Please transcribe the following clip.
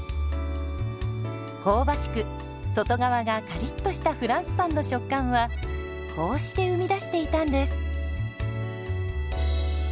香ばしく外側がカリッとしたフランスパンの食感はこうして生み出していたんです。